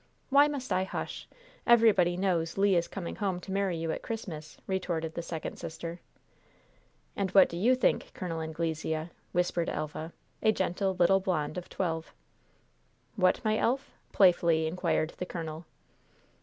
"Why must I hush? Everybody knows Le is coming home to marry you at Christmas!" retorted the second sister. "And what do you think, Col. Anglesea?" whispered Elva, a gentle, little blonde of twelve. "What, my elf?" playfully inquired the colonel.